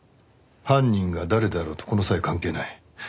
犯人が誰であろうとこの際関係ない。